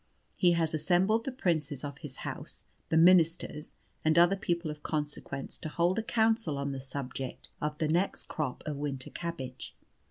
He has assembled the princes of his house, the ministers, and other people of consequence to hold a council on the subject of the next crop of winter cabbage.